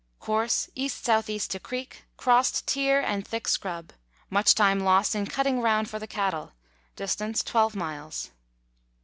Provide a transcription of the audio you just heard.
Course, E.S.E. to creek ; crossed tier and thick scrub ; much time lost in cutting round for the cattle ; distance, 12 miles.